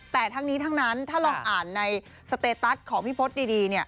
แต่ทั้งนี้ทั้งนั้นถ้าลองอ่านในสเตตัสของพี่พศดี